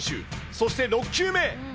そして、６球目。